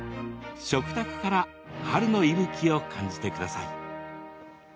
食卓から春の息吹を感じてください。